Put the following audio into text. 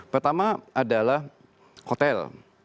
pertama adalah hotel